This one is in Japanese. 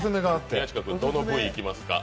宮近君、どの部位いきますか？